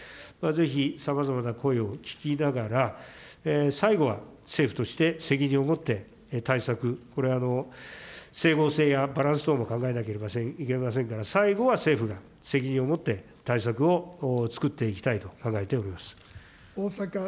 ぜひ、さまざまな声を聞きながら、最後は政府として責任を持って対策、これ、整合性やバランス等も考えなきゃいけませんから、最後は政府が責任を持って対策を作っていきたいと考えております。